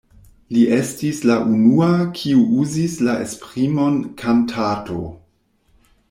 Li estis la unua, kiu uzis la esprimon „kantato“.